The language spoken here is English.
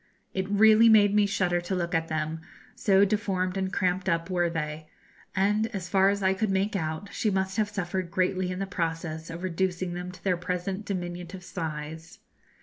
It really made me shudder to look at them, so deformed and cramped up were they, and, as far as I could make out, she must have suffered greatly in the process of reducing them to their present diminutive size.